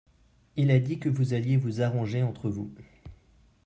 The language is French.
Il a dit que vous alliez vous arranger entre vous.